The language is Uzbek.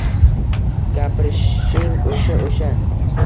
Gapirishing o`sha-o`sha